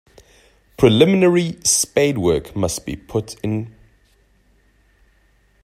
Preliminary spadework must be put in.